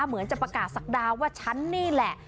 เหมือนจะประกาศศักดาว่าฉันนี่แหละ